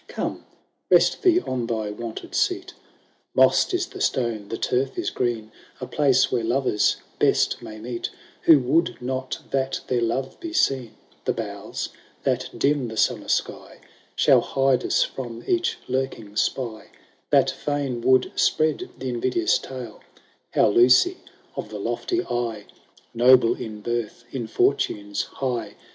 Come ! rest thee on thy wonted seat ;^ Moss*d i« the stone, the turf is green, A place where lovers best may meet Who would not that their love be seen. The boughs, that dim the summer sky. Shall hide us from each lurking spy, That fidn would spread the invidious tale, How Lucy of the lofty eye,* > CMS.— "Haughty eye. T THI BRIDAL OF TUKaMAOr. 13 Noble in birth, in fortunes high.